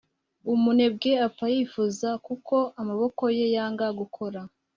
umunebwe apfa yifuza kuko amaboko ye yanga gukora